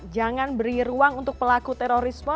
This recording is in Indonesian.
jangan beri ruang untuk pelaku terorisme